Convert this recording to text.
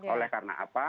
oleh karena apa